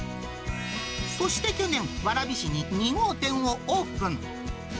そして去年、蕨市に２号店をオープン。